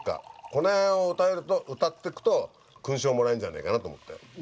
この辺を歌ってくと勲章もらえんじゃないかなと思って。